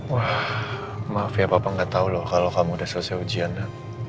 wah maaf ya papa gak tau loh kalau kamu udah selesai ujiannya